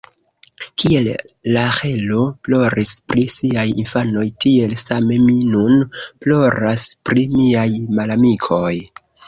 Kiel Raĥelo ploris pri siaj infanoj, tiel same mi nun ploras pri miaj malamikoj.